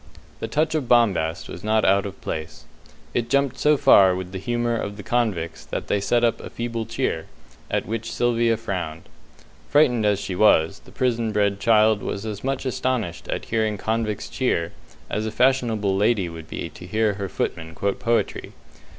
The touch of bombast was not out of place. It jumped so far with the humour of the convicts that they set up a feeble cheer, at which Sylvia frowned. Frightened as she was, the prison bred child was as much astonished at hearing convicts cheer as a fashionable lady would be to hear her footman quote poetry.